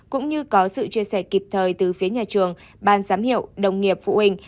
cũng như có sự chia sẻ kịp thời từ phía nhà trường ban giám hiệu đồng nghiệp phụ huynh